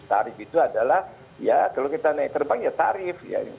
tarif itu adalah ya kalau kita naik terbang ya tarif